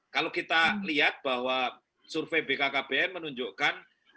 kalau kita lihat bahwa survei bkkbn menunjukkan